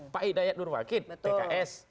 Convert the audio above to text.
pak hidayat nurwakid pks